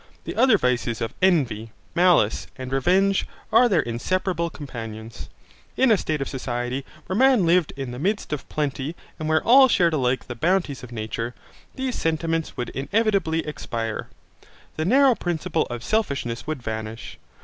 The other vices of envy, malice, and revenge are their inseparable companions. In a state of society where men lived in the midst of plenty and where all shared alike the bounties of nature, these sentiments would inevitably expire. The narrow principle of selfishness would vanish.